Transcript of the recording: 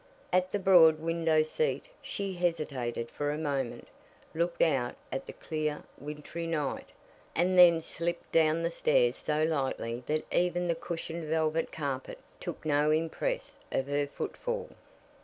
At the broad window seat she hesitated for a moment, looked out at the clear, wintry night, and then slipped down the stairs so lightly that even the cushioned velvet carpet took no impress of her footfall.